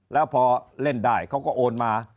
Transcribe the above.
แล้วพอเล่นได้เขาก็โอนมา